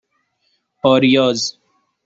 آریاز